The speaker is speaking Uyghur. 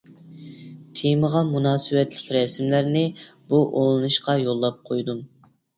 تېمىغا مۇناسىۋەتلىك رەسىملەرنى بۇ ئۇلىنىشقا يوللاپ قويدۇم.